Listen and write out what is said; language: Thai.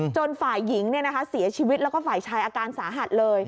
ฝ่ายหญิงเสียชีวิตแล้วก็ฝ่ายชายอาการสาหัสเลย